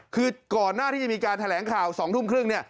คือก่อนหน้าที่จะมีการแถลงข่าว๒ทุ่มครึ่งเนี่ย